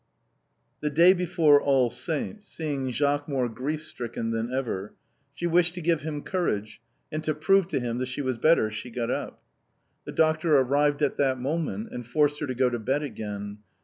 The day before All Saints', seeing Jacques more grief stricken than ever, she wished to give him courage, and to prove to him that she was better she got up. 232 THE BOHEMIANS OF THE LATIN QUARTER. The doctor arrived at that moment and forced her to go to bed again.